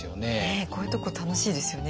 こういうとこ楽しいですよね。